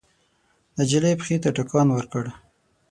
نجلۍ پښې ته ټکان ورکړ.